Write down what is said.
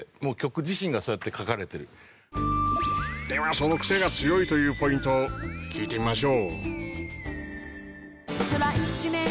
そのクセが強いというポイントを聴いてみましょう。